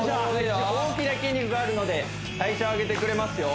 大きな筋肉があるので代謝を上げてくれますよ